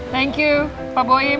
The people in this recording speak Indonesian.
thank you pak boim